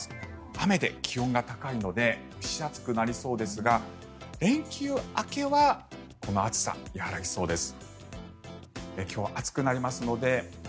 雨で気温が高いので蒸し暑くなりそうですが連休明けはこの暑さ、やわらぎそうです。